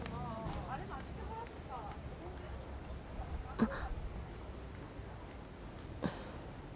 あっ。